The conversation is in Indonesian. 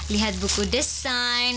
lihat buku desain